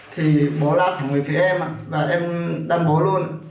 thì bố lao thẳng người phía em và em đánh bố luôn